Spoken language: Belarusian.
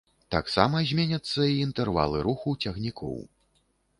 Таксама зменяцца і інтэрвалы руху цягнікоў.